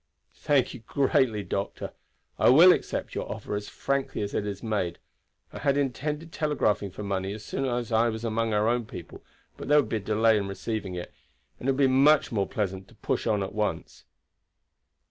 "Thank you greatly, doctor. I will accept your offer as frankly as it is made. I had intended telegraphing for money as soon as I was among our own people, but there would be delay in receiving it, and it will be much more pleasant to push on at once."